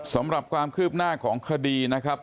สำหรับความคืบหน้าของคดีนะครับ